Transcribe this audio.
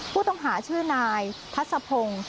ผู้ต่องหาชื่อนายทัชษะพง